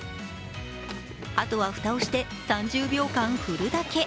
あとは、蓋をして３０秒間振るだけ。